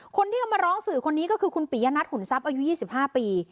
คนที่เขามาร้องสื่อคนนี้ก็คือคุณปียะนัทหุ่นทรัพย์อายุ๒๕ปี